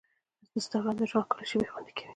انسټاګرام د ژوند ښکلي شېبې خوندي کوي.